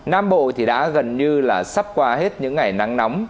nam bộ thì đã gần như là sắp qua hết những ngày nắng nóng